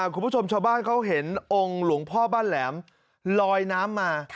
คุณผู้ชมชาวบ้านเขาเห็นองค์หลวงพ่อบ้านแหลมลอยน้ำมา